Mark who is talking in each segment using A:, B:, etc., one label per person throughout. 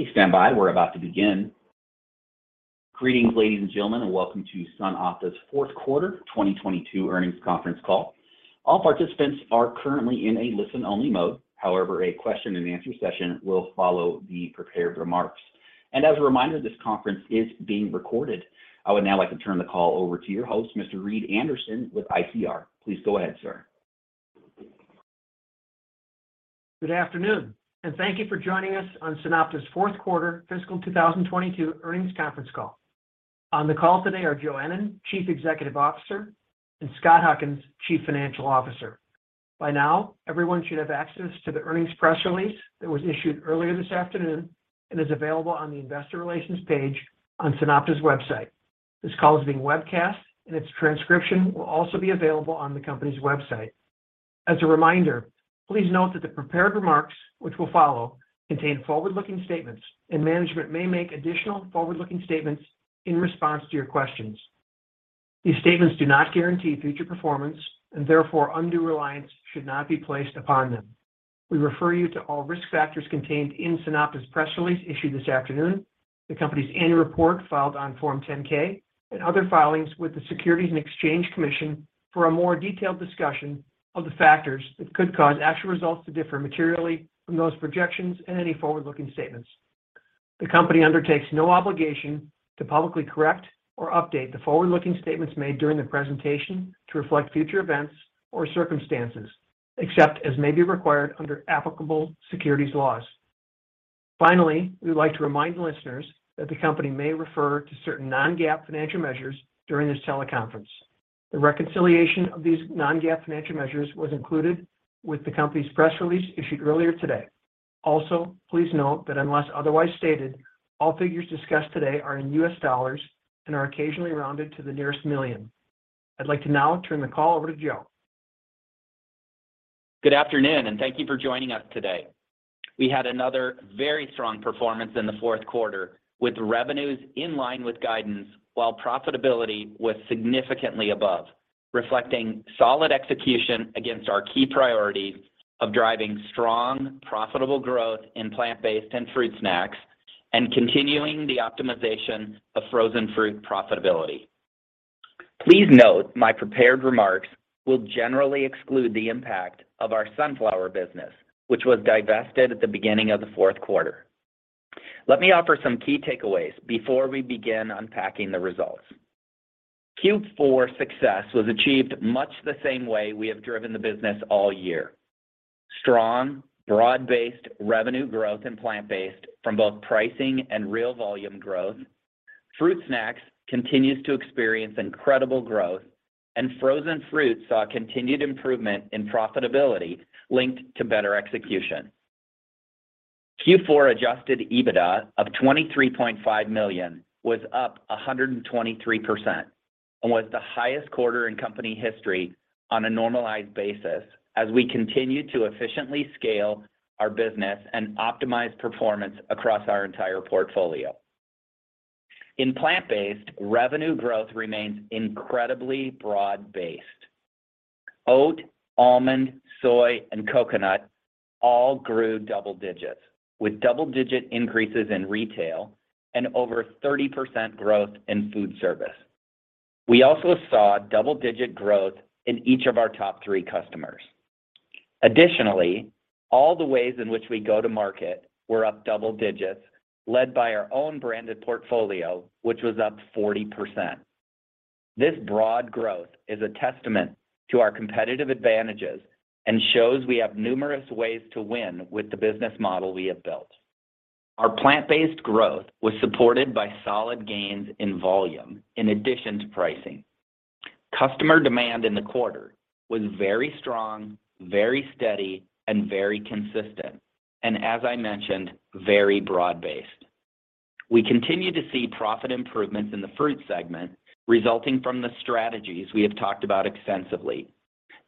A: Please stand by. We're about to begin. Greetings, ladies and gentlemen, welcome to SunOpta's fourth quarter 2022 earnings conference call. All participants are currently in a listen-only mode. However, a question-and-answer session will follow the prepared remarks. As a reminder, this conference is being recorded. I would now like to turn the call over to your host, Mr. Reed Anderson with ICR. Please go ahead, sir.
B: Good afternoon and thank you for joining us on SunOpta's fourth quarter fiscal 2022 earnings conference call. On the call today are Joe Ennen, Chief Executive Officer, and Scott Huckins, Chief Financial Officer. By now, everyone should have access to the earnings press release that was issued earlier this afternoon and is available on the investor relations page on SunOpta's website. This call is being webcast and its transcription will also be available on the company's website. As a reminder, please note that the prepared remarks, which will follow, contain forward-looking statements, and management may make additional forward-looking statements in response to your questions. These statements do not guarantee future performance, and therefore, undue reliance should not be placed upon them. We refer you to all risk factors contained in SunOpta's press release issued this afternoon, the company's annual report filed on Form 10-K, and other filings with the Securities and Exchange Commission for a more detailed discussion of the factors that could cause actual results to differ materially from those projections and any forward-looking statements. The company undertakes no obligation to publicly correct or update the forward-looking statements made during the presentation to reflect future events or circumstances, except as may be required under applicable securities laws. Finally, we would like to remind listeners that the company may refer to certain non-GAAP financial measures during this teleconference. The reconciliation of these non-GAAP financial measures was included with the company's press release issued earlier today. Also, please note that unless otherwise stated, all figures discussed today are in U.S. dollars and are occasionally rounded to the nearest million. I'd like to now turn the call over to Joe.
C: Good afternoon, thank you for joining us today. We had another very strong performance in the fourth quarter, with revenues in line with guidance while profitability was significantly above, reflecting solid execution against our key priorities of driving strong, profitable growth in plant-based and fruit snacks and continuing the optimization of frozen fruit profitability. Please note my prepared remarks will generally exclude the impact of our sunflower business, which was divested at the beginning of the fourth quarter. Let me offer some key takeaways before we begin unpacking the results. Q4 success was achieved much the same way we have driven the business all year. Strong, broad-based revenue growth in plant-based from both pricing and real volume growth. Fruit snacks continues to experience incredible growth, and frozen fruit saw continued improvement in profitability linked to better execution. Q4 adjusted EBITDA of $23.5 million was up 123% and was the highest quarter in company history on a normalized basis as we continue to efficiently scale our business and optimize performance across our entire portfolio. In plant-based, revenue growth remains incredibly broad-based. Oat, almond, soy, and coconut all grew double digits, with double-digit increases in retail and over 30% growth in food service. We also saw double-digit growth in each of our top three customers. Additionally, all the ways in which we go to market were up double digits, led by our own branded portfolio, which was up 40%. This broad growth is a testament to our competitive advantages and shows we have numerous ways to win with the business model we have built. Our plant-based growth was supported by solid gains in volume in addition to pricing. Customer demand in the quarter was very strong, very steady, and very consistent, as I mentioned, very broad-based. We continue to see profit improvements in the fruit segment resulting from the strategies we have talked about extensively.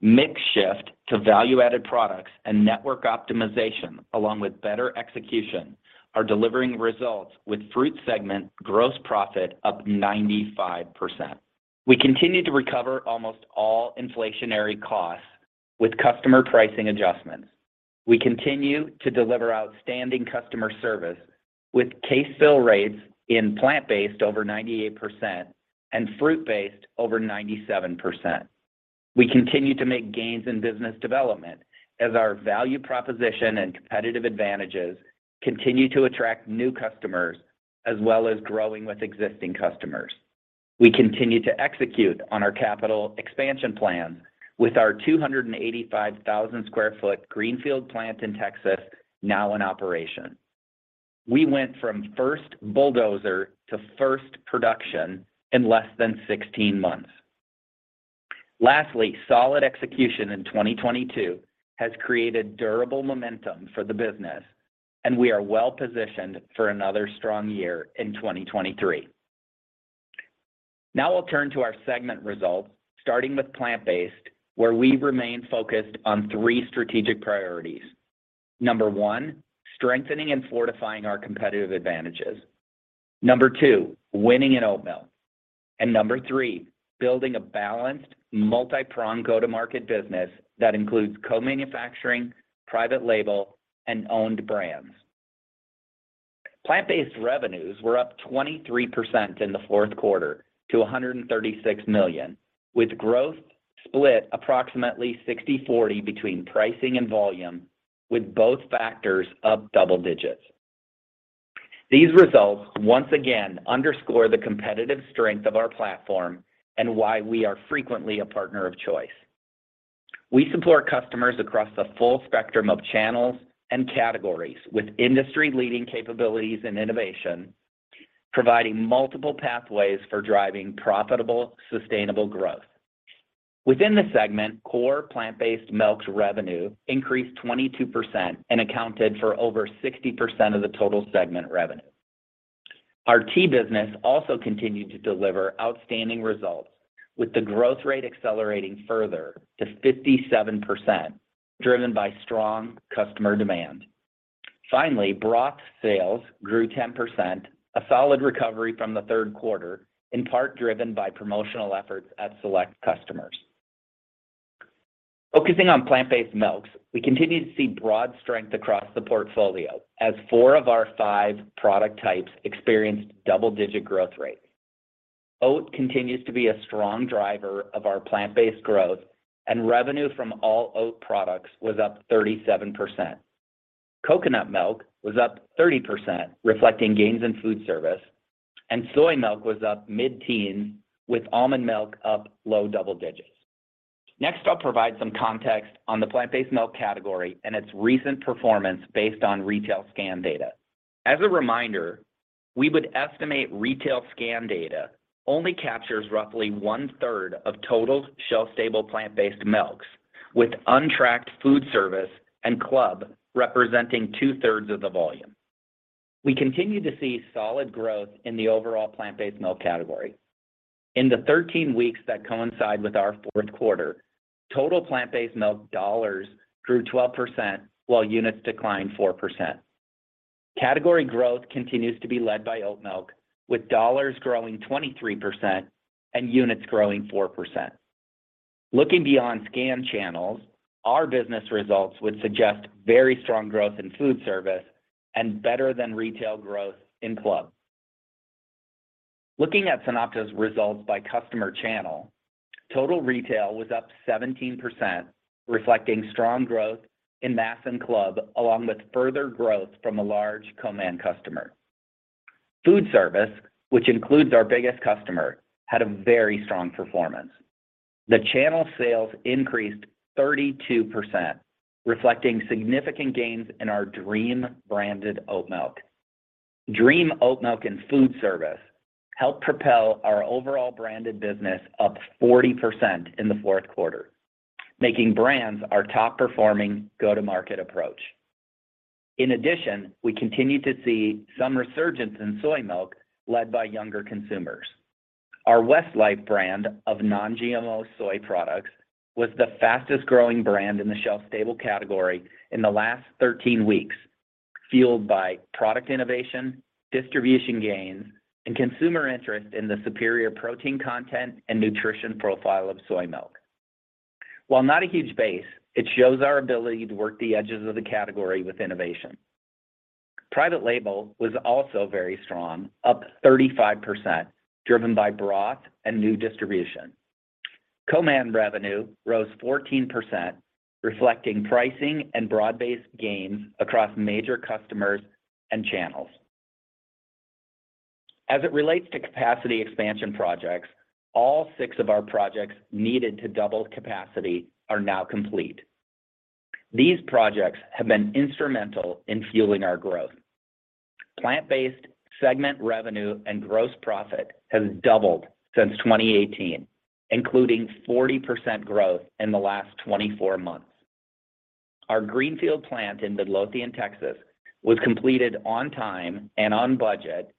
C: Mix shift to value-added products and network optimization along with better execution are delivering results with fruit segment gross profit up 95%. We continue to recover almost all inflationary costs with customer pricing adjustments. We continue to deliver outstanding customer service with case fill rates in plant-based over 98% and fruit-based over 97%. We continue to make gains in business development as our value proposition and competitive advantages continue to attract new customers as well as growing with existing customers. We continue to execute on our capital expansion plans with our 285,000 sq ft greenfield plant in Texas now in operation. We went from first bulldozer to first production in less than 16 months. Lastly, solid execution in 2022 has created durable momentum for the business, and we are well-positioned for another strong year in 2023. Now we'll turn to our segment results, starting with plant-based, where we remain focused on three strategic priorities. Number one, strengthening and fortifying our competitive advantages. Number two, winning in oatmeal. Number three, building a balanced multiprong go-to-market business that includes co-manufacturing, private label, and owned brands. Plant-based revenues were up 23% in the fourth quarter to $136 million, with growth split approximately 60/40 between pricing and volume, with both factors up double digits. These results once again underscore the competitive strength of our platform and why we are frequently a partner of choice. We support customers across the full spectrum of channels and categories with industry-leading capabilities and innovation, providing multiple pathways for driving profitable, sustainable growth. Within the segment, core plant-based milks revenue increased 22% and accounted for over 60% of the total segment revenue. Our tea business also continued to deliver outstanding results with the growth rate accelerating further to 57%, driven by strong customer demand. Finally, broth sales grew 10%, a solid recovery from the third quarter, in part driven by promotional efforts at select customers. Focusing on plant-based milks, we continue to see broad strength across the portfolio as four of our five product types experienced double-digit growth rates. Oat continues to be a strong driver of our plant-based growth, and revenue from all oat products was up 37%. Coconut milk was up 30%, reflecting gains in food service, and soy milk was up mid-teen, with almond milk up low double digits. Next, I'll provide some context on the plant-based milk category and its recent performance based on retail scan data. As a reminder, we would estimate retail scan data only captures roughly 1/3 of total shelf-stable plant-based milks, with untracked food service and club representing 2/3 of the volume. We continue to see solid growth in the overall plant-based milk category. In the 13 weeks that coincide with our fourth quarter, total plant-based milk dollars grew 12%, while units declined 4%. Category growth continues to be led by oat milk, with dollars growing 23% and units growing 4%. Looking beyond scan channels, our business results would suggest very strong growth in food service and better than retail growth in club. Looking at SunOpta's results by customer channel, total retail was up 17%, reflecting strong growth in mass and club, along with further growth from a large co-man customer. Food service, which includes our biggest customer, had a very strong performance. The channel sales increased 32%, reflecting significant gains in our Dream-branded oat milk. Dream Oatmilk and food service helped propel our overall branded business up 40% in the fourth quarter, making brands our top-performing go-to-market approach. We continue to see some resurgence in soy milk led by younger consumers. Our Westlife brand of Non-GMO soy products was the fastest-growing brand in the shelf-stable category in the last 13 weeks, fueled by product innovation, distribution gains, and consumer interest in the superior protein content and nutrition profile of soy milk. While not a huge base, it shows our ability to work the edges of the category with innovation. Private label was also very strong, up 35%, driven by broth and new distribution. Co-man revenue rose 14%, reflecting pricing and broad-based gains across major customers and channels. As it relates to capacity expansion projects, all of our projects needed to double capacity are now complete. These projects have been instrumental in fueling our growth. Plant-based segment revenue and gross profit has doubled since 2018, including 40% growth in the last 24 months. Our greenfield plant in Midlothian, Texas, was completed on time and on budget,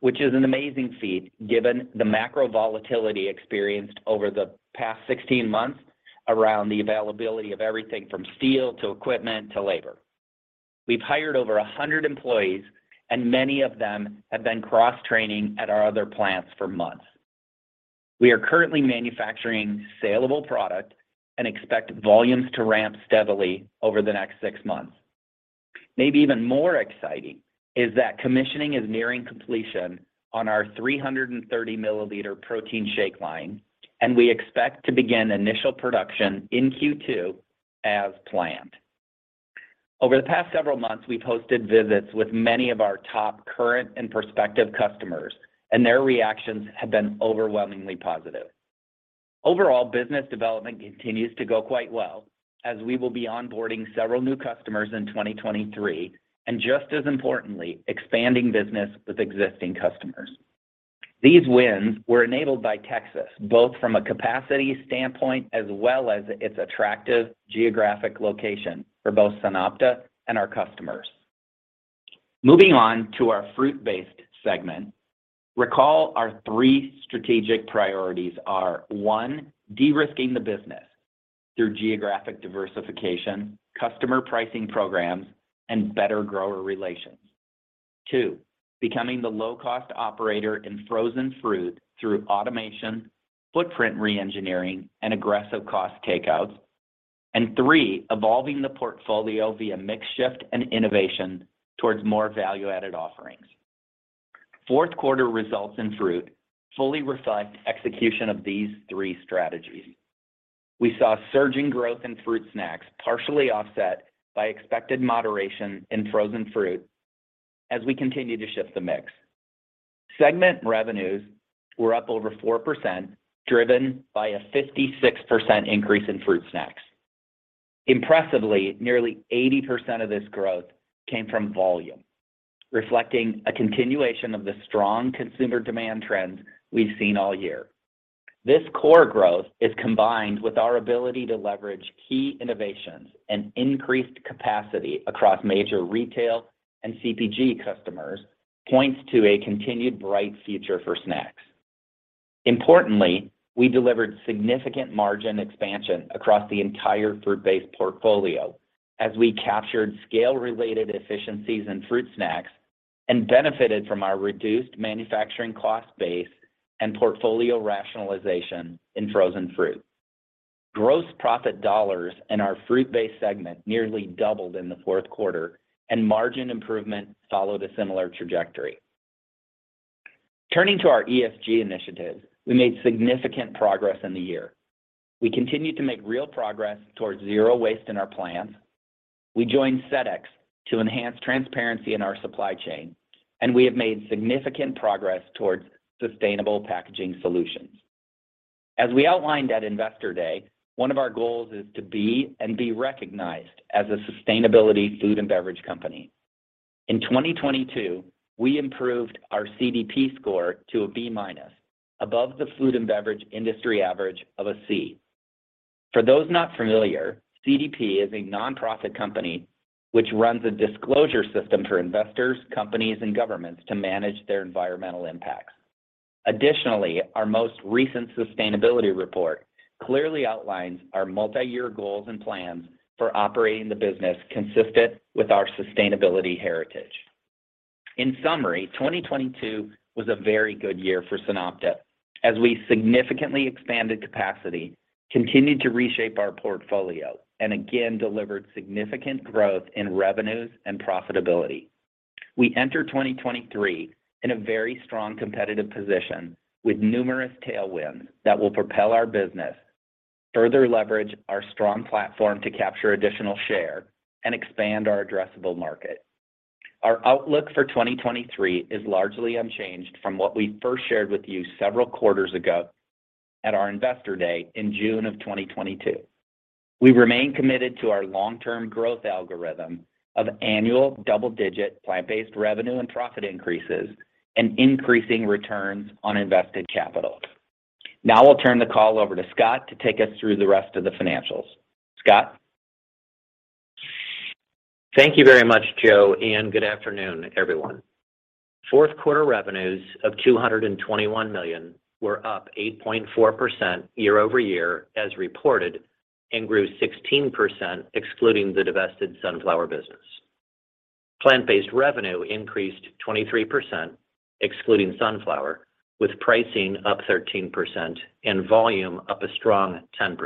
C: which is an amazing feat given the macro volatility experienced over the past 16 months around the availability of everything from steel to equipment to labor. We've hired over 100 employees. Many of them have been cross-training at our other plants for months. We are currently manufacturing saleable product and expect volumes to ramp steadily over the next six months. Maybe even more exciting is that commissioning is nearing completion on our 330 ml protein shake line. We expect to begin initial production in Q2 as planned. Over the past several months, we've hosted visits with many of our top current and prospective customers. Their reactions have been overwhelmingly positive. Overall, business development continues to go quite well as we will be onboarding several new customers in 2023. Just as importantly, expanding business with existing customers. These wins were enabled by Texas, both from a capacity standpoint as well as its attractive geographic location for both SunOpta and our customers. Moving on to our fruit-based segment, recall our three strategic priorities are, one, de-risking the business through geographic diversification, customer pricing programs, and better grower relations. Two, becoming the low-cost operator in frozen fruit through automation, footprint re-engineering, and aggressive cost takeouts. Three, evolving the portfolio via mix shift and innovation towards more value-added offerings. fourth quarter results in fruit fully reflect execution of these three strategies. We saw surging growth in fruit snacks partially offset by expected moderation in frozen fruit as we continue to shift the mix. Segment revenues were up over 4%, driven by a 56% increase in fruit snacks. Impressively, nearly 80% of this growth came from volume, reflecting a continuation of the strong consumer demand trends we've seen all year. This core growth is combined with our ability to leverage key innovations and increased capacity across major retail and CPG customers points to a continued bright future for snacks. Importantly, we delivered significant margin expansion across the entire fruit-based portfolio as we captured scale-related efficiencies in fruit snacks and benefited from our reduced manufacturing cost base and portfolio rationalization in frozen fruit. Gross profit dollars in our fruit-based segment nearly doubled in the fourth quarter, and margin improvement followed a similar trajectory. Turning to our ESG initiatives, we made significant progress in the year. We continued to make real progress towards zero waste in our plants. We joined Sedex to enhance transparency in our supply chain, and we have made significant progress towards sustainable packaging solutions. As we outlined at Investor Day, one of our goals is to be and be recognized as a sustainability food and beverage company. In 2022, we improved our CDP score to a B-, above the food and beverage industry average of a C. For those not familiar, CDP is a nonprofit company which runs a disclosure system for investors, companies, and governments to manage their environmental impacts. Additionally, our most recent sustainability report clearly outlines our multi-year goals and plans for operating the business consistent with our sustainability heritage. In summary, 2022 was a very good year for SunOpta as we significantly expanded capacity, continued to reshape our portfolio, and again, delivered significant growth in revenues and profitability. We enter 2023 in a very strong competitive position with numerous tailwinds that will propel our business, further leverage our strong platform to capture additional share, and expand our addressable market. Our outlook for 2023 is largely unchanged from what we first shared with you several quarters ago at our Investor Day in June of 2022. We remain committed to our long-term growth algorithm of annual double-digit plant-based revenue and profit increases and increasing returns on invested capital. I'll turn the call over to Scott to take us through the rest of the financials. Scott? Thank you very much, Joe, good afternoon, everyone. Fourth quarter revenues of $221 million were up 8.4% year-over-year as reported, grew 16% excluding the divested sunflower business. Plant-based revenue increased 23% excluding sunflower, with pricing up 13% and volume up a strong 10%.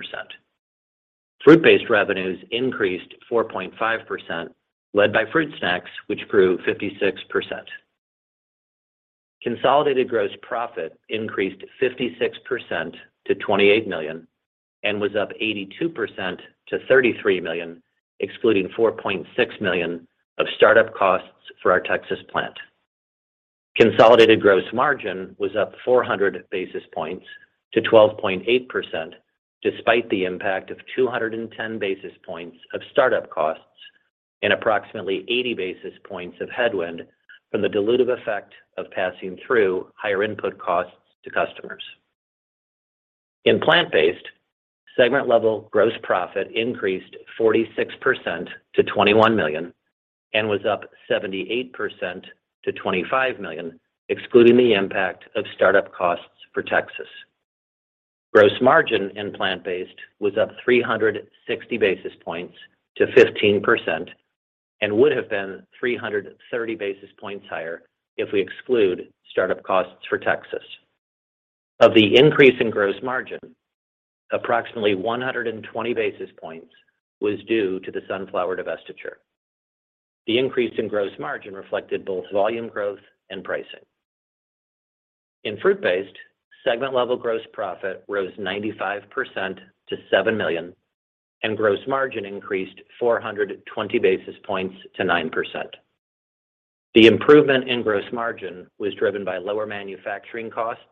C: Fruit-based revenues increased 4.5%, led by fruit snacks, which grew 56%. Consolidated gross profit increased 56% to $28 million and was up 82% to $33 million, excluding $4.6 million of startup costs for our Texas plant. Consolidated gross margin was up 400 basis points to 12.8% despite the impact of 210 basis points of startup costs and approximately 80 basis points of headwind from the dilutive effect of passing through higher input costs to customers. In plant-based, segment level gross profit increased 46% to $21 million and was up 78% to $25 million, excluding the impact of startup costs for Texas. Gross margin in plant-based was up 360 basis points to 15% and would have been 330 basis points higher if we exclude startup costs for Texas. Of the increase in gross margin, approximately 120 basis points was due to the sunflower divestiture. The increase in gross margin reflected both volume growth and pricing. In fruit-based, segment level gross profit rose 95% to $7 million, and gross margin increased 420 basis points to 9%. The improvement in gross margin was driven by lower manufacturing costs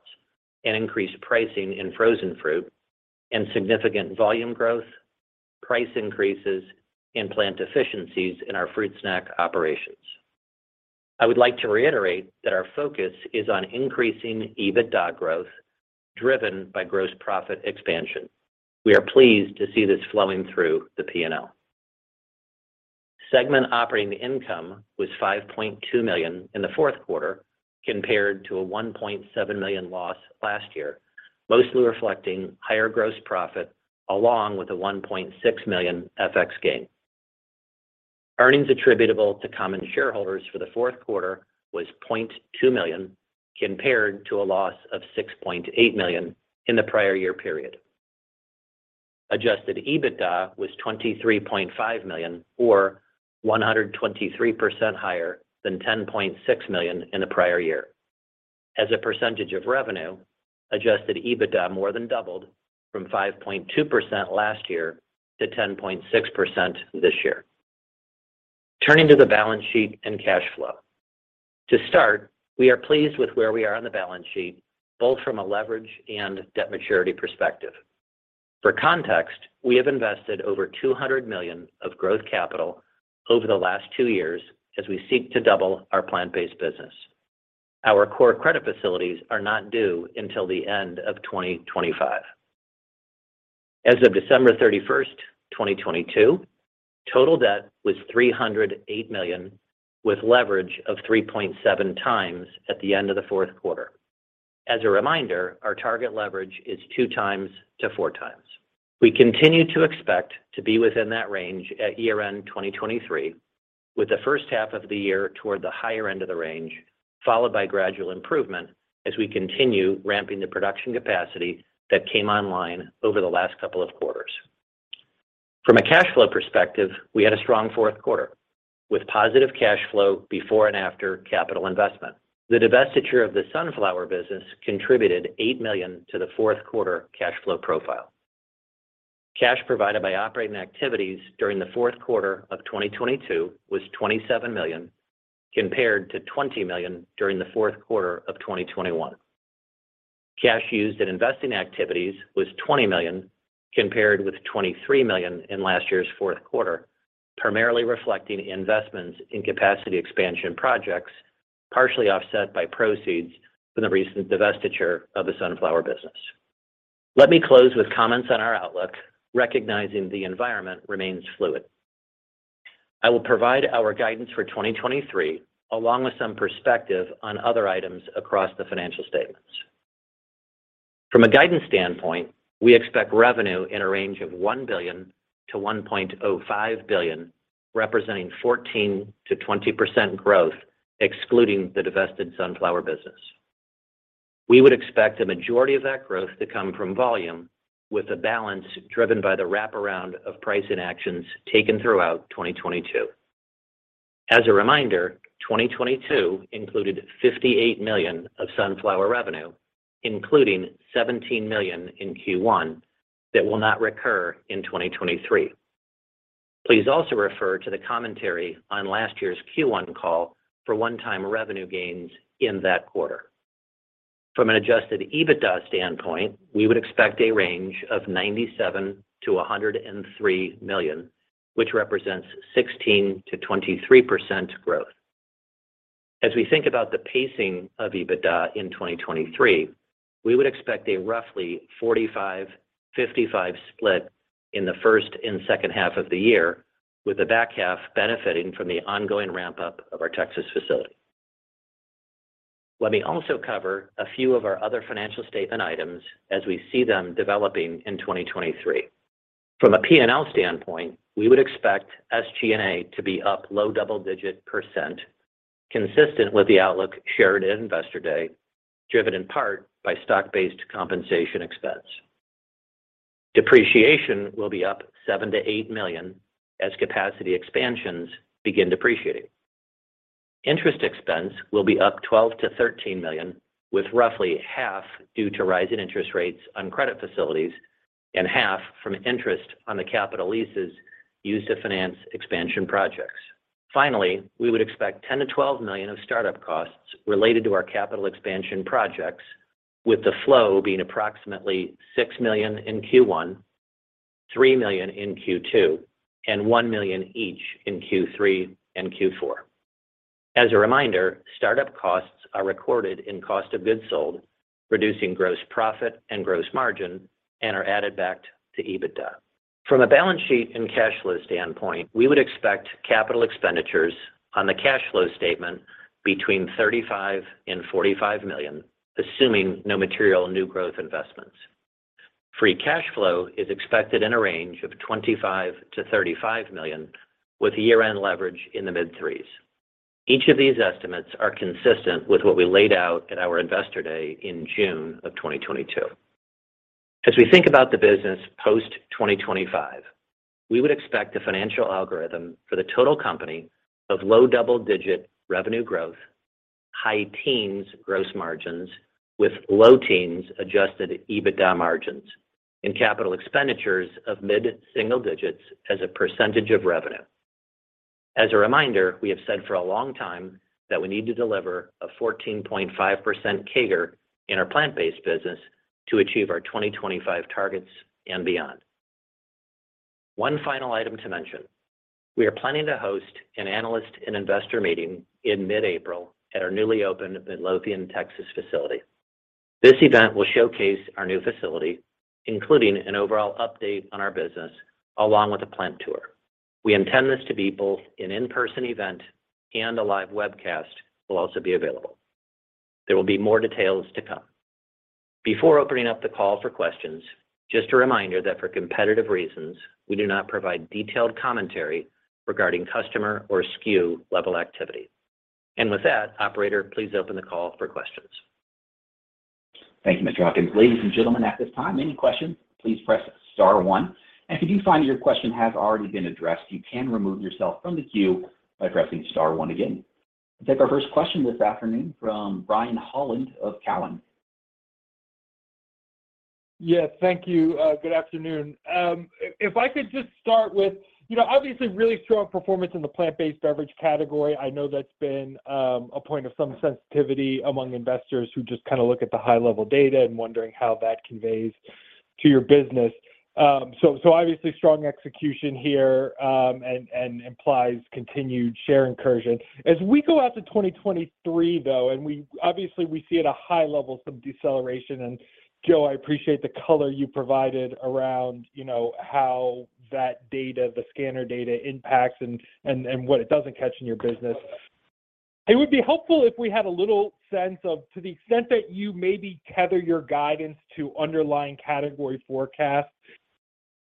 C: and increased pricing in frozen fruit and significant volume growth, price increases, and plant efficiencies in our fruit snack operations. I would like to reiterate that our focus is on increasing EBITDA growth driven by gross profit expansion. We are pleased to see this flowing through the P&L.
D: Segment operating income was $5.2 million in the fourth quarter compared to a $1.7 million loss last year, mostly reflecting higher gross profit along with a $1.6 million FX gain. Earnings attributable to common shareholders for the fourth quarter was $0.2 million compared to a loss of $6.8 million in the prior year period. Adjusted EBITDA was $23.5 million or 123% higher than $10.6 million in the prior year. As a percentage of revenue, adjusted EBITDA more than doubled from 5.2% last year to 10.6% this year. Turning to the balance sheet and cash flow. We are pleased with where we are on the balance sheet, both from a leverage and debt maturity perspective. For context, we have invested over $200 million of growth capital over the last two years as we seek to double our plant-based business. Our core credit facilities are not due until the end of 2025. As of December 31st, 2022, total debt was $308 million with leverage of 3.7x at the end of the fourth quarter. As a reminder, our target leverage is 2x-4x. We continue to expect to be within that range at year-end 2023, with the first half of the year toward the higher end of the range, followed by gradual improvement as we continue ramping the production capacity that came online over the last couple of quarters. From a cash flow perspective, we had a strong fourth quarter with positive cash flow before and after capital investment. The divestiture of the sunflower business contributed $8 million to the fourth quarter cash flow profile. Cash provided by operating activities during the fourth quarter of 2022 was $27 million, compared to $20 million during the fourth quarter of 2021. Cash used in investing activities was $20 million, compared with $23 million in last year's fourth quarter, primarily reflecting investments in capacity expansion projects, partially offset by proceeds from the recent divestiture of the sunflower business. Let me close with comments on our outlook, recognizing the environment remains fluid. I will provide our guidance for 2023 along with some perspective on other items across the financial statements. From a guidance standpoint, we expect revenue in a range of $1 billion-$1.05 billion, representing 14%-20% growth excluding the divested sunflower business. We would expect the majority of that growth to come from volume with the balance driven by the wraparound of pricing actions taken throughout 2022. As a reminder, 2022 included $58 million of sunflower revenue, including $17 million in Q1 that will not recur in 2023. Please also refer to the commentary on last year's Q1 call for one-time revenue gains in that quarter. From an adjusted EBITDA standpoint, we would expect a range of $97 million-$103 million, which represents 16%-23% growth. As we think about the pacing of EBITDA in 2023, we would expect a roughly 45-55 split in the first and second half of the year, with the back half benefiting from the ongoing ramp-up of our Texas facility. Let me also cover a few of our other financial statement items as we see them developing in 2023. From a P&L standpoint, we would expect SG&A to be up low double-digit % consistent with the outlook shared at Investor Day, driven in part by stock-based compensation expense. Depreciation will be up $7 million-$8 million as capacity expansions begin depreciating. Interest expense will be up $12 million-$13 million, with roughly half due to rising interest rates on credit facilities and half from interest on the capital leases used to finance expansion projects. Finally, we would expect $10 million-$12 million of startup costs related to our capital expansion projects, with the flow being approximately $6 million in Q1, $3 million in Q2, and $1 million each in Q3 and Q4. As a reminder, startup costs are recorded in cost of goods sold, reducing gross profit and gross margin, and are added back to EBITDA. From a balance sheet and cash flow standpoint, we would expect capital expenditures on the cash flow statement between $35 million and $45 million, assuming no material new growth investments. Free cash flow is expected in a range of $25 million-$35 million, with year-end leverage in the mid-3s. Each of these estimates are consistent with what we laid out at our Investor Day in June of 2022. As we think about the business post 2025, we would expect a financial algorithm for the total company of low double-digit revenue growth, high teens gross margins, with low teens adjusted EBITDA margins and capital expenditures of mid-single digits as a % of revenue. As a reminder, we have said for a long time that we need to deliver a 14.5% CAGR in our plant-based business to achieve our 2025 targets and beyond. One final item to mention. We are planning to host an analyst and investor meeting in mid-April at our newly opened Midlothian, Texas facility. This event will showcase our new facility, including an overall update on our business along with a plant tour. We intend this to be both an in-person event and a live webcast will also be available. There will be more details to come. Before opening up the call for questions, just a reminder that for competitive reasons, we do not provide detailed commentary regarding customer or SKU level activity. With that, operator, please open the call for questions.
A: Thank you, Mr. Huckins. Ladies and gentlemen, at this time, any questions, please press star one. If you find your question has already been addressed, you can remove yourself from the queue by pressing star one again. We'll take our first question this afternoon from Brian Holland of Cowen.
E: Yes, thank you. Good afternoon. If I could just start with, you know, obviously really strong performance in the plant-based beverage category. I know that's been a point of some sensitivity among investors who just kind of look at the high level data and wondering how that conveys to your business. Obviously strong execution here, and implies continued share incursion. As we go out to 2023 though, and we obviously see at a high level some deceleration, and Joe, I appreciate the color you provided around, you know, how that data, the scanner data impacts and what it doesn't catch in your business. It would be helpful if we had a little sense of, to the extent that you maybe tether your guidance to underlying category forecast.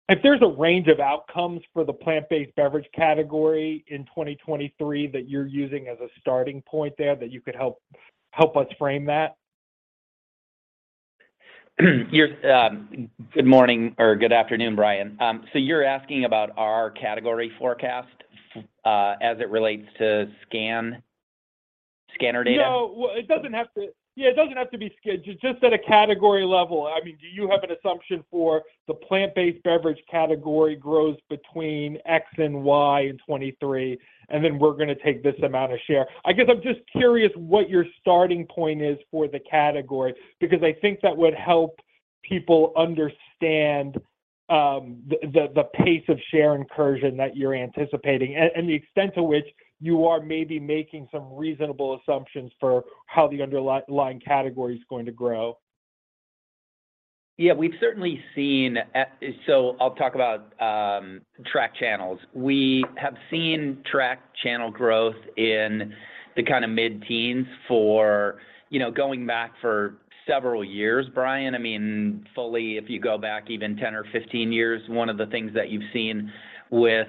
E: If there's a range of outcomes for the plant-based beverage category in 2023 that you're using as a starting point there that you could help us frame that.
C: Good morning or good afternoon, Brian. You're asking about our category forecast as it relates to scanner data?
E: No. Well, it doesn't have to... Yeah, it doesn't have to be scan. Just at a category level. I mean, do you have an assumption for the plant-based beverage category grows between X and Y in 23, and then we're gonna take this amount of share? I guess I'm just curious what your starting point is for the category, because I think that would help people understand the pace of share incursion that you're anticipating and the extent to which you are maybe making some reasonable assumptions for how the underlying category is going to grow.
C: We've certainly seen track channels. We have seen track channel growth in the kind of mid-teens for, you know, going back for several years, Brian Holland. I mean, fully, if you go back even 10 or 15 years, one of the things that you've seen with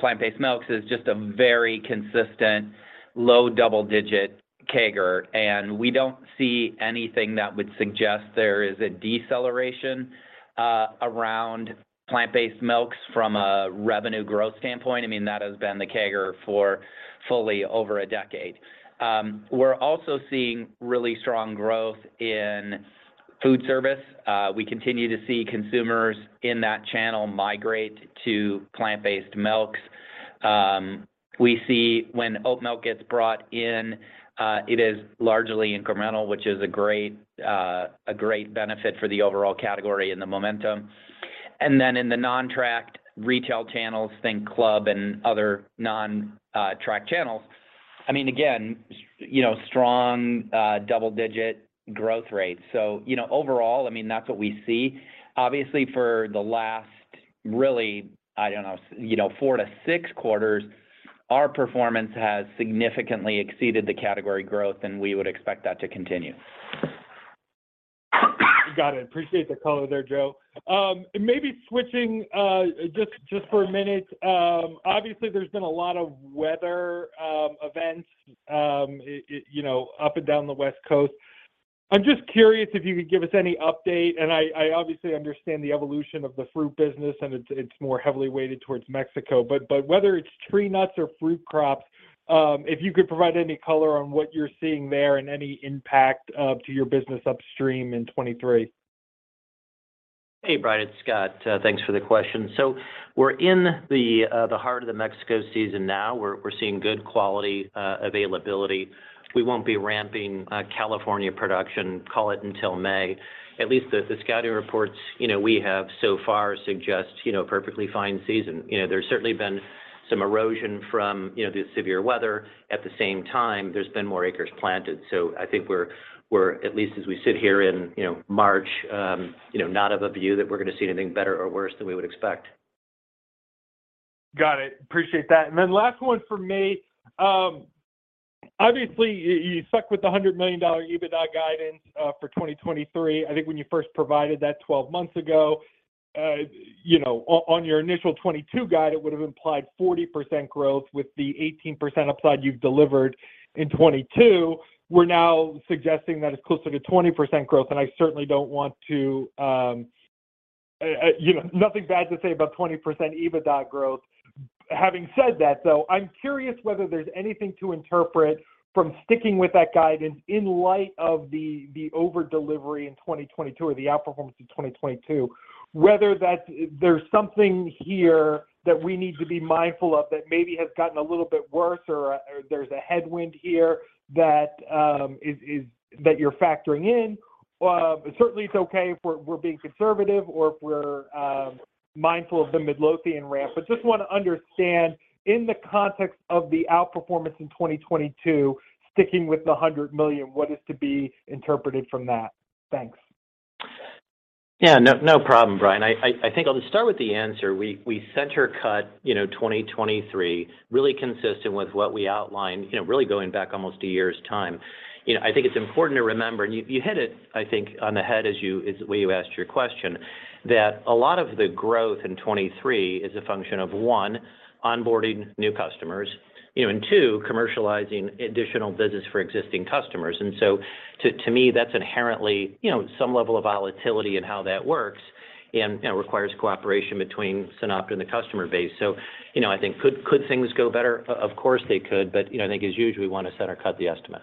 C: plant-based milks is just a very consistent low double digit CAGR. We don't see anything that would suggest there is a deceleration around plant-based milks from a revenue growth standpoint. I mean, that has been the CAGR for fully over a decade. We're also seeing really strong growth in food service. We continue to see consumers in that channel migrate to plant-based milks. We see when oat milk gets brought in, it is largely incremental, which is a great benefit for the overall category and the momentum. Then in the non-tracked retail channels, think club and other non-track channels. I mean, again, you know, strong, double-digit growth rates. You know, overall, I mean, that's what we see. Obviously, for the last really, I don't know, you know, four to six quarters, our performance has significantly exceeded the category growth, and we would expect that to continue.
E: Got it. Appreciate the color there, Joe. Maybe switching just for a minute. Obviously, there's been a lot of weather events, you know, up and down the West Coast. I'm just curious if you could give us any update, and I obviously understand the evolution of the fruit business, and it's more heavily weighted towards Mexico. Whether it's tree nuts or fruit crops, if you could provide any color on what you're seeing there and any impact to your business upstream in 23.
D: Hey, Brian, it's Scott. Thanks for the question. We're in the heart of the Mexico season now. We're seeing good quality availability. We won't be ramping California production, call it, until May. At least the scouting reports, you know, we have so far suggest, you know, perfectly fine season. You know, there's certainly been some erosion from, you know, the severe weather. At the same time, there's been more acres planted. I think we're at least as we sit here in, you know, March, you know, not of a view that we're gonna see anything better or worse than we would expect.
E: Got it. Appreciate that. Last one for me. Obviously, you stuck with the $100 million EBITDA guidance for 2023. I think when you first provided that 12 months ago, you know, on your initial 2022 guide, it would have implied 40% growth with the 18% upside you've delivered in 2022. We're now suggesting that it's closer to 20% growth, I certainly don't want to, you know, nothing bad to say about 20% EBITDA growth. Having said that, though, I'm curious whether there's anything to interpret from sticking with that guidance in light of the over-delivery in 2022 or the outperformance in 2022, whether there's something here that we need to be mindful of that maybe has gotten a little bit worse or there's a headwind here that is that you're factoring in. Certainly it's okay if we're being conservative or if we're mindful of the Midlothian ramp. Just wanna understand in the context of the outperformance in 2022, sticking with the $100 million, what is to be interpreted from that? Thanks.
C: Yeah, no problem, Brian. I think I'll start with the answer. We center cut, you know, 2023 really consistent with what we outlined, you know, really going back almost a year's time. You know, I think it's important to remember and you hit it, I think, on the head as the way you asked your question that a lot of the growth in 23 is a function of, one, onboarding new customers, you know, and two, commercializing additional business for existing customers. To me, that's inherently, you know, some level of volatility in how that works and, you know, requires cooperation between SunOpta and the customer base. I think could things go better? Of course, they could, but, you know, I think as usual, we wanna center cut the estimate.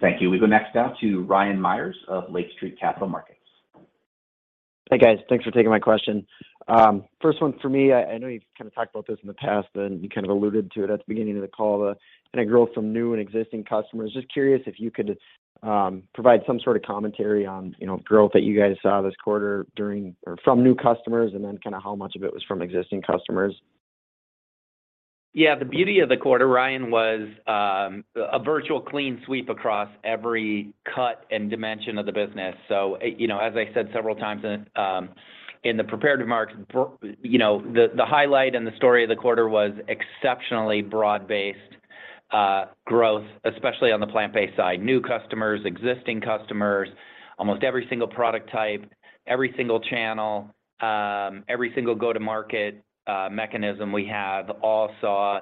A: Thank you. We go next now to Ryan Meyers of Lake Street Capital Markets.
F: Hey, guys. Thanks for taking my question. First one for me. I know you've kinda talked about this in the past and you kind of alluded to it at the beginning of the call, and I growth from new and existing customers. Just curious if you could provide some sort of commentary on, you know, growth that you guys saw this quarter during or from new customers, and then kinda how much of it was from existing customers.
C: Yeah. The beauty of the quarter, Ryan, was a virtual clean sweep across every cut and dimension of the business. You know, as I said several times in the prepared remarks, you know, the highlight and the story of the quarter was exceptionally broad-based growth, especially on the plant-based side. New customers, existing customers, almost every single product type, every single channel, every single go-to-market mechanism we have all saw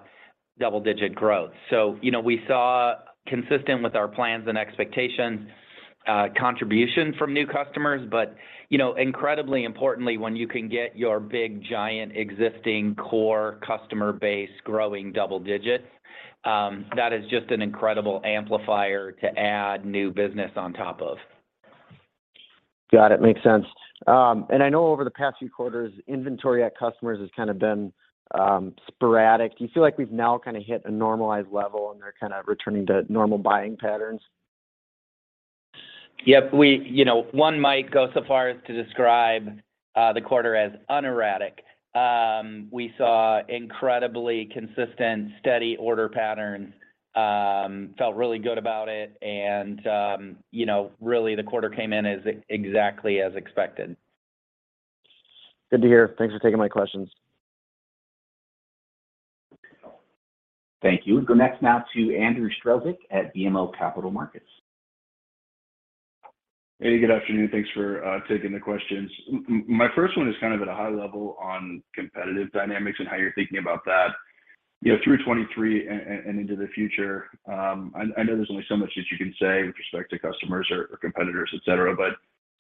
C: double-digit growth. You know, we saw consistent with our plans and expectations, contribution from new customers. Incredibly importantly, when you can get your big, giant existing core customer base growing double digits, that is just an incredible amplifier to add new business on top of.
F: Got it. Makes sense. I know over the past few quarters, inventory at customers has kind of been sporadic. Do you feel like we've now kinda hit a normalized level, and they're kinda returning to normal buying patterns?
C: Yep. You know, one might go so far as to describe the quarter as unerratic. We saw incredibly consistent, steady order patterns. Felt really good about it. You know, really the quarter came in as exactly as expected.
F: Good to hear. Thanks for taking my questions.
A: Thank you. We go next now to Andrew Strelzik at BMO Capital Markets.
G: Hey, good afternoon. Thanks for taking the questions. My first one is kind of at a high level on competitive dynamics and how you're thinking about that, you know, through 2023 and into the future. I know there's only so much that you can say with respect to customers or competitors, et cetera.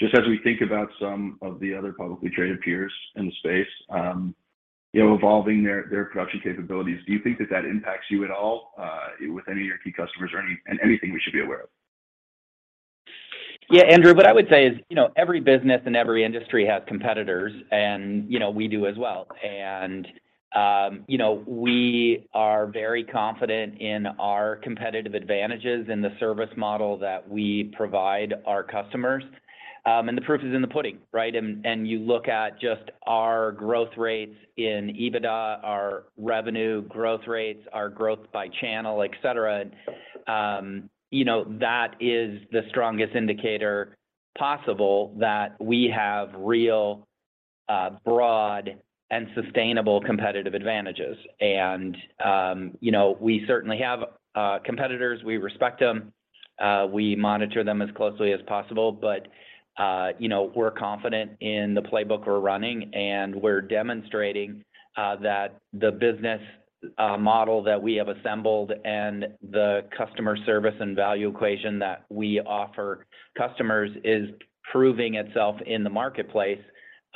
G: Just as we think about some of the other publicly traded peers in the space, you know, evolving their production capabilities, do you think that that impacts you at all with any of your key customers or anything we should be aware of?
C: Yeah, Andrew. What I would say is, you know, every business and every industry has competitors and, you know, we do as well. You know, we are very confident in our competitive advantages in the service model that we provide our customers. The proof is in the pudding, right? You look at just our growth rates in EBITDA, our revenue growth rates, our growth by channel, et cetera. You know, that is the strongest indicator possible that we have real broad and sustainable competitive advantages. You know, we certainly have competitors. We respect them. We monitor them as closely as possible. You know, we're confident in the playbook we're running, and we're demonstrating that the business model that we have assembled and the customer service and value equation that we offer customers is proving itself in the marketplace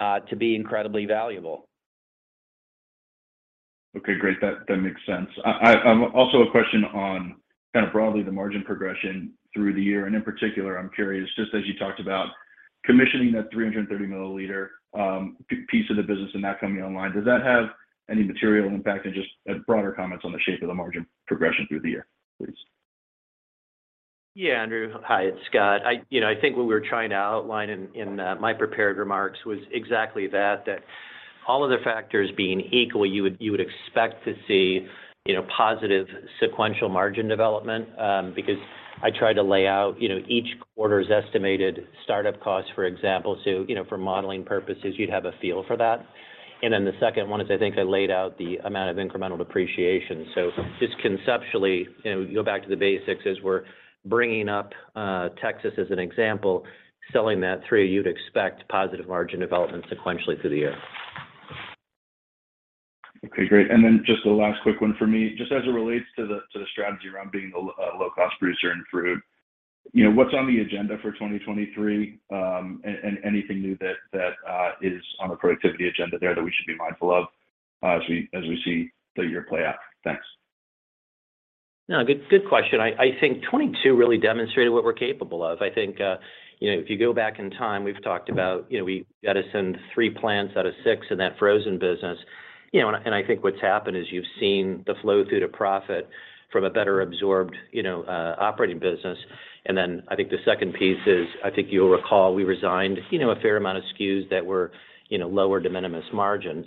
C: to be incredibly valuable.
G: Okay, great. That makes sense. I also a question on kind of broadly the margin progression through the year, and in particular, I'm curious, just as you talked about commissioning that 330 milliliter, piece of the business and that coming online, does that have any material impact? Just broader comments on the shape of the margin progression through the year, please.
C: Yeah, Andrew. Hi, it's Scott. You know, I think what we were trying to outline in, my prepared remarks was exactly that all of the factors being equal, you would expect to see, you know, positive sequential margin development, because I tried to lay out, you know, each quarter's estimated startup costs, for example. You know, for modeling purposes, you'd have a feel for that. Then the second one is, I think I laid out the amount of incremental depreciation. Just conceptually, you know, go back to the basics as we're bringing up Texas as an example, selling that three, you'd expect positive margin development sequentially through the year.
G: Okay, great. Just the last quick one for me. Just as it relates to the strategy around being a low cost producer in fruit, you know, what's on the agenda for 2023? Anything new that is on the productivity agenda there that we should be mindful of as we see the year play out? Thanks.
C: No, good question. I think 2022 really demonstrated what we're capable of. I think, you know, if you go back in time, we've talked about, you know, we got to send three plants out of six in that frozen business, you know. I think what's happened is you've seen the flow through to profit from a better absorbed, you know, operating business. I think the second piece is, I think you'll recall, we resigned, you know, a fair amount of SKUs that were, you know, lower de minimis margin.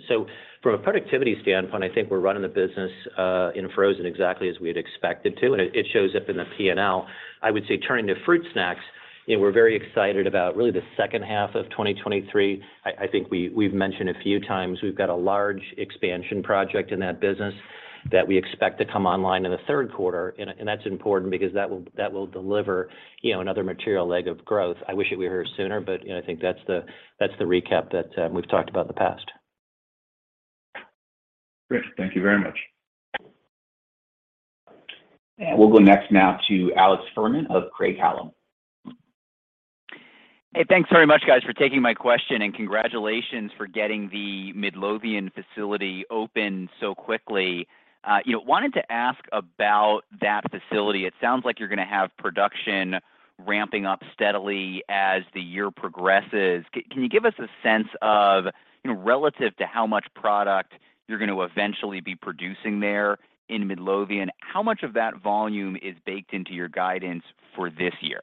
C: From a productivity standpoint, I think we're running the business in frozen exactly as we had expected to, and it shows up in the P&L. I would say turning to fruit snacks. We're very excited about really the second half of 2023. I think we've mentioned a few times we've got a large expansion project in that business that we expect to come online in the third quarter. That's important because that will deliver, you know, another material leg of growth. I wish it were here sooner, but, you know, I think that's the recap that we've talked about the past.
A: Great. Thank you very much. We'll go next now to Alex Fuhrman of Craig-Hallum.
H: Thanks very much guys for taking my question, congratulations for getting the Midlothian facility open so quickly. You know, wanted to ask about that facility. It sounds like you're gonna have production ramping up steadily as the year progresses. Can you give us a sense of, you know, relative to how much product you're gonna eventually be producing there in Midlothian, how much of that volume is baked into your guidance for this year?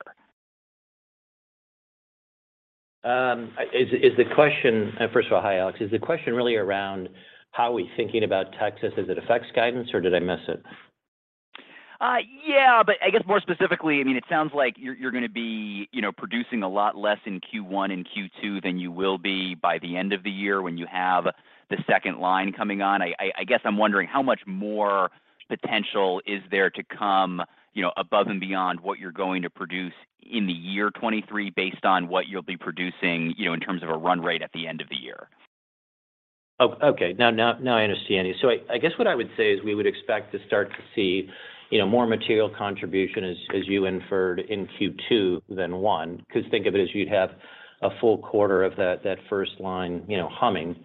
C: First of all, hi, Alex. Is the question really around how we're thinking about Texas as it affects guidance, or did I miss it?
H: Yeah, I guess more specifically, I mean, it sounds like you're gonna be, you know, producing a lot less in Q1 and Q2 than you will be by the end of the year when you have the second line coming on. I guess I'm wondering how much more potential is there to come, you know, above and beyond what you're going to produce in the year 2023 based on what you'll be producing, you know, in terms of a run rate at the end of the year?
C: Oh, okay. Now I understand you. I guess what I would say is we would expect to start to see, you know, more material contribution as you inferred in Q2 than one, because think of it as you'd have a full quarter of that first line, you know, humming.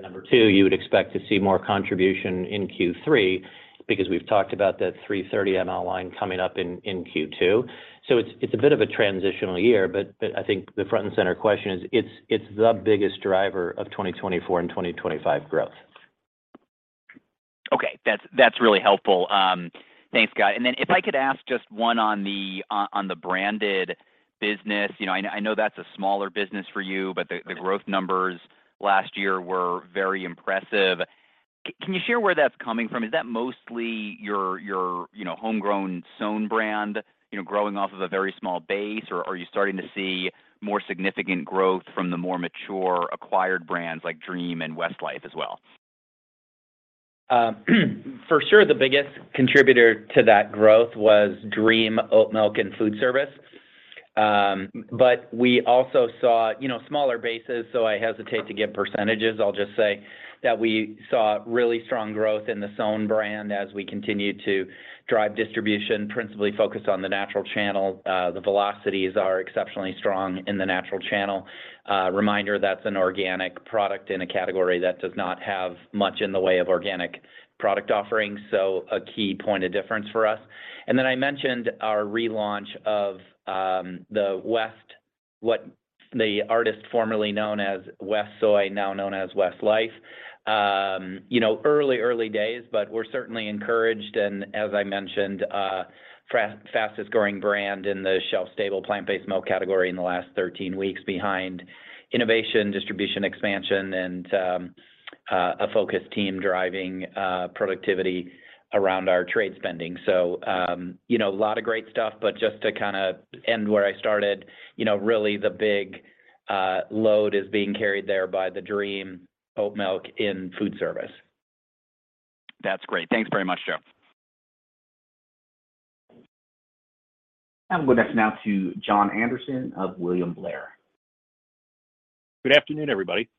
C: Number two, you would expect to see more contribution in Q3 because we've talked about that 330 ML line coming up in Q2. It's a bit of a transitional year, but I think the front and center question is, it's the biggest driver of 2024 and 2025 growth.
H: Okay. That's, that's really helpful. Thanks, guy. If I could ask just one on the branded business. You know, I know that's a smaller business for you, but the growth numbers last year were very impressive. Can you share where that's coming from? Is that mostly your, you know, homegrown SOWN brand, you know, growing off of a very small base, or are you starting to see more significant growth from the more mature acquired brands like Dream and WestLife as well?
C: For sure the biggest contributor to that growth was Dream Oatmilk in food service. We also saw, you know, smaller bases, so I hesitate to give percentages. I'll just say that we saw really strong growth in the SOWN brand as we continued to drive distribution, principally focused on the natural channel. The velocities are exceptionally strong in the natural channel. Reminder, that's an organic product in a category that does not have much in the way of organic product offerings, so a key point of difference for us. I mentioned our relaunch of the West, the artist formerly known as WestSoy, now known as West Life. You know, early days, but we're certainly encouraged and, as I mentioned, fastest growing brand in the shelf stable plant-based milk category in the last 13 weeks behind innovation, distribution expansion and a focus team driving productivity around our trade spending. You know, a lot of great stuff, but just to kinda end where I started, you know, really the big load is being carried there by the Dream Oatmilk in food service.
H: That's great. Thanks very much, Jeff.
A: We'll next now to Jon Andersen of William Blair.
I: Good afternoon, everybody.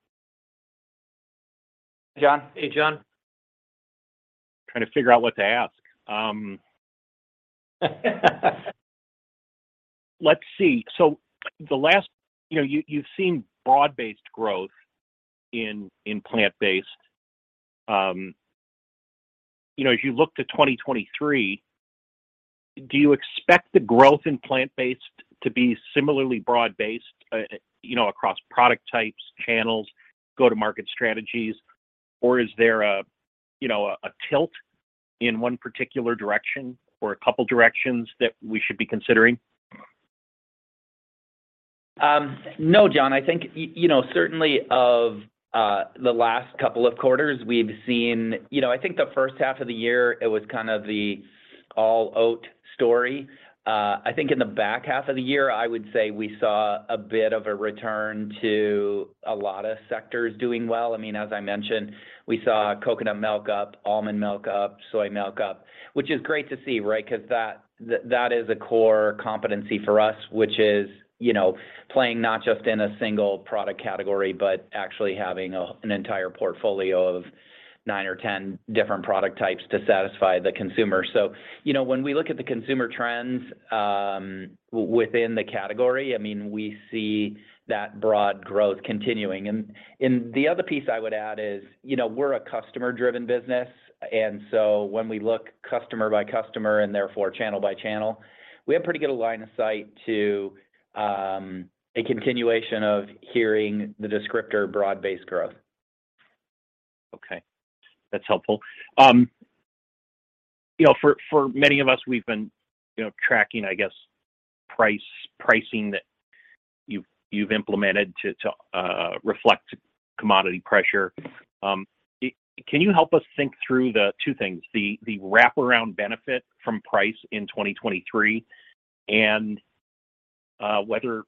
C: Jon. Hey, Jon.
I: Trying to figure out what to ask. Let's see. The last, you know, you've seen broad-based growth in plant-based. you know, as you look to 2023, do you expect the growth in plant-based to be similarly broad-based, you know, across product types, channels, go-to-market strategies? Or is there a, you know, a tilt in one particular direction or a couple directions that we should be considering?
C: No, Jon. I think, you know, certainly of the last couple of quarters, we've seen. You know, I think the first half of the year it was kind of the all oat story. I think in the back half of the year, I would say we saw a bit of a return to a lot of sectors doing well. I mean, as I mentioned, we saw coconut milk up, almond milk up, soy milk up, which is great to see, right? 'Cause that is a core competency for us, which is, you know, playing not just in a single product category, but actually having an entire portfolio of 9 or 10 different product types to satisfy the consumer. You know, when we look at the consumer trends, within the category, I mean, we see that broad growth continuing. The other piece I would add is, you know, we're a customer-driven business. When we look customer by customer, and therefore channel by channel, we have pretty good line of sight to a continuation of hearing the descriptor broad-based growth.
I: Okay. That's helpful. You know, for many of us, we've been, you know, tracking, I guess, price, pricing that you've implemented to reflect commodity pressure. Can you help us think through the two things, the wraparound benefit from price in 2023, and whether,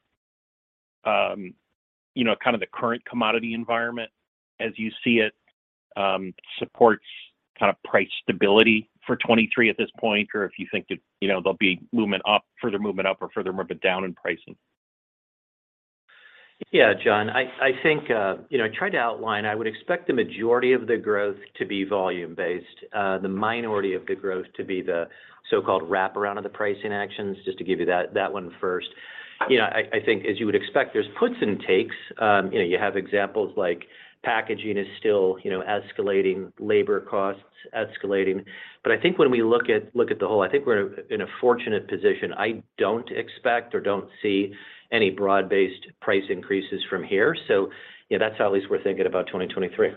I: you know, kind of the current commodity environment as you see it, supports kind of price stability for 2023 at this point, or if you think that, you know, there'll be movement up, further movement up or further movement down in pricing?
C: Yeah, Jon, I think, you know, I tried to outline. I would expect the majority of the growth to be volume-based, the minority of the growth to be the so-called wraparound of the pricing actions, just to give you that one first. You know, I think as you would expect, there's puts and takes. You know, you have examples like packaging is still, you know, escalating, labor costs escalating. I think when we look at, look at the whole, I think we're in a fortunate position. I don't expect or don't see any broad-based price increases from here. You know, that's how at least we're thinking about 2023.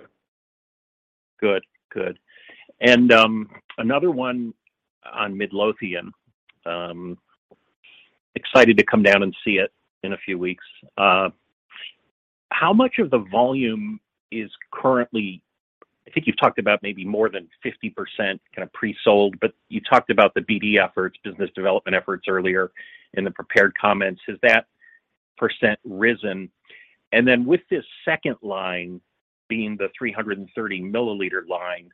I: Good. Another one on Midlothian. Excited to come down and see it in a few weeks. How much of the volume is currently, I think you've talked about maybe more than 50% kind of pre-sold, but you talked about the BD efforts, business development efforts earlier in the prepared comments. Has that percent risen? Then with this second line being the 330 milliliter line,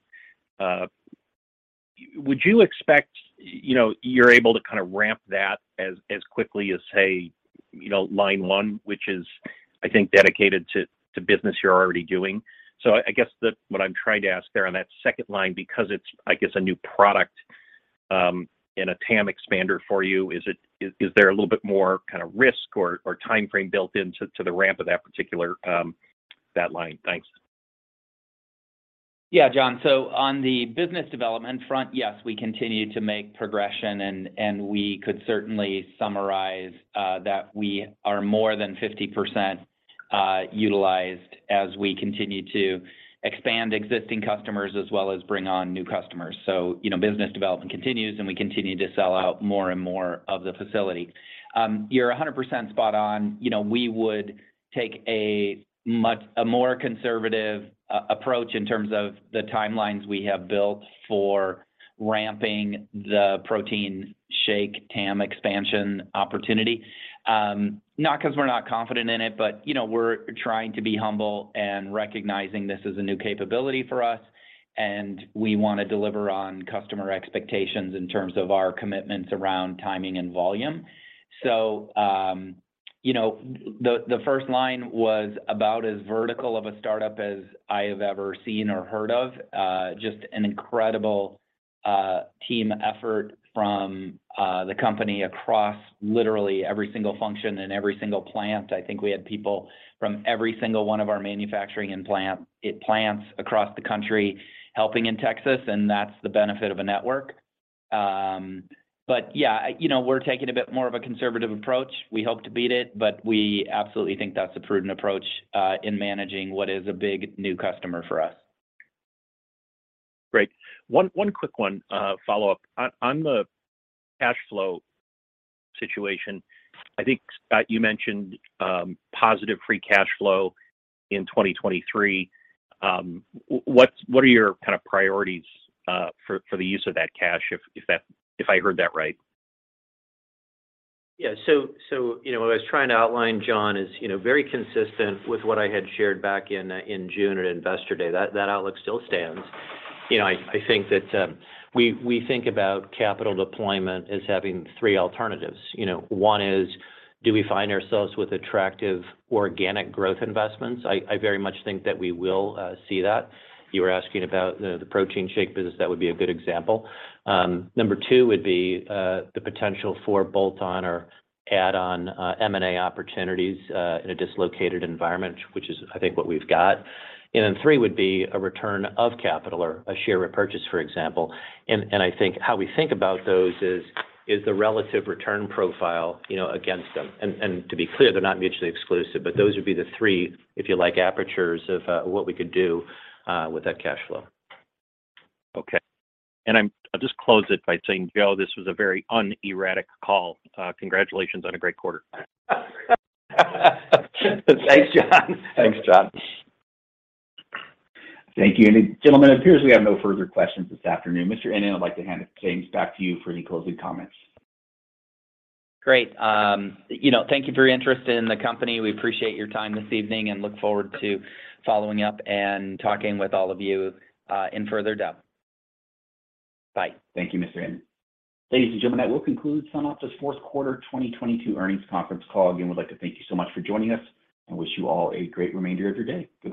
I: would you expect, you know, you're able to kind of ramp that as quickly as, say, you know, line one, which is I think dedicated to business you're already doing. I guess what I'm trying to ask there on that second line, because it's I guess a new product, and a TAM expander for you, is there a little bit more kind of risk or timeframe built into the ramp of that particular, that line? Thanks.
C: Yeah, Jon. On the business development front, yes, we continue to make progression and we could certainly summarize that we are more than 50% utilized as we continue to expand existing customers as well as bring on new customers. You know, business development continues, and we continue to sell out more and more of the facility. You're 100% spot on. You know, we would take a more conservative approach in terms of the timelines we have built for ramping the protein shake TAM expansion opportunity. Not 'cause we're not confident in it, but you know, we're trying to be humble and recognizing this is a new capability for us and we want to deliver on customer expectations in terms of our commitments around timing and volume. You know, the first line was about as vertical of a startup as I have ever seen or heard of. Just an incredible team effort from the company across literally every single function and every single plant. I think we had people from every single one of our manufacturing and plants across the country helping in Texas, and that's the benefit of a network. Yeah, you know, we're taking a bit more of a conservative approach. We hope to beat it, but we absolutely think that's a prudent approach in managing what is a big new customer for us.
I: Great. One quick one, follow-up. On the cash flow situation, I think, Scott, you mentioned positive free cash flow in 2023. What are your kind of priorities for the use of that cash if I heard that right?
D: You know, what I was trying to outline, Jon, is, you know, very consistent with what I had shared back in June at Investor Day. That outlook still stands. You know, I think that we think about capital deployment as having three alternatives. You know, one is do we find ourselves with attractive organic growth investments? I very much think that we will see that. You were asking about the protein shake business. That would be a good example. Number two would be the potential for bolt-on or add-on M&A opportunities in a dislocated environment, which is I think what we've got. Then three would be a return of capital or a share repurchase, for example.
C: I think how we think about those is the relative return profile, you know, against them. To be clear, they're not mutually exclusive, but those would be the three, if you like, apertures of what we could do with that cash flow.
I: Okay. I'll just close it by saying, Joe, this was a very unerratic call. Congratulations on a great quarter.
C: Thanks, Jon.
B: Thanks, John. Thank you. Gentlemen, it appears we have no further questions this afternoon. Mr. Ennen, I'd like to hand the things back to you for any closing comments.
C: Great. You know, thank you for your interest in the company. We appreciate your time this evening and look forward to following up and talking with all of you in further depth. Bye.
B: Thank you, Mr. Ennen. Ladies and gentlemen, that will conclude SunOpta's fourth quarter 2022 earnings conference call. Again, we'd like to thank you so much for joining us and wish you all a great remainder of your day. Good night